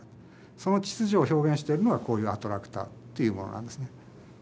その秩序を表現しているのがこういうアトラクターっていうものなんですね。